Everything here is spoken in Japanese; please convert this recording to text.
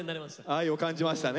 愛を感じましたね。